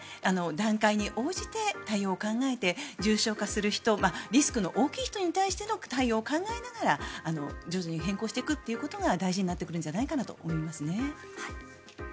段階に応じて対応を考えて重症化する人リスクの大きい人に対しての対応を考えながら徐々に変更していくことが大事になってくるんじゃないかと思いますね。